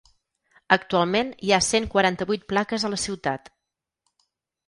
Actualment hi ha cent quaranta-vuit plaques a la ciutat.